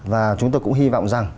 và chúng tôi cũng hy vọng rằng